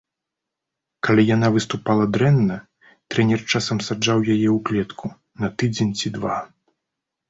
Калі яна выступала дрэнна, трэнер часам саджаў яе ў клетку на тыдзень ці два.